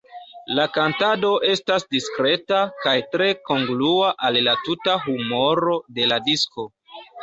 La kantado estas diskreta kaj tre kongrua al la tuta humoro de la disko.